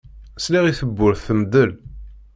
Sliɣ i tewwurt temdel.